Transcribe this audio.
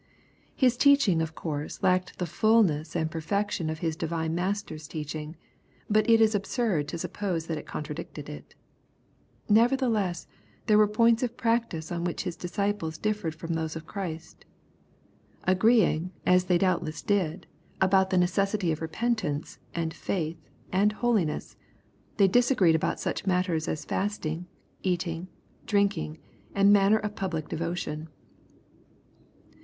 His teaching of course lacked the fulness and perfection of his divine Master's teaching, but it is absurd to suppose that it contradicted it. Neverthe less there were points of practice on which his disciples differed jfrom those of Christ. Agreeing, as they doubt less did, about the necessity of repentance, and faith, and holiness, they disagreed about such matters as fast ing, eating, drinking, and manner of pubUc devotion.